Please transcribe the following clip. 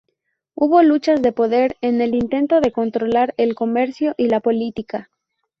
Hubo luchas de poder en el intento de controlar el comercio y la política.